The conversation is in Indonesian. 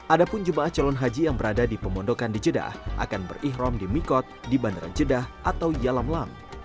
ada pun jemaah calon haji yang berada di pemondokan di jeddah akan berikhram di mikot di bandara jeddah atau yalam lam